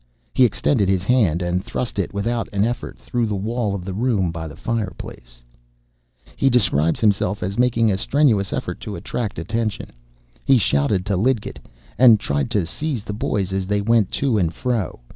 He extended his hand, and thrust it without an effort through the wall of the room by the fireplace. He describes himself as making a strenuous effort to attract attention. He shouted to Lidgett, and tried to seize the boys as they went to and fro.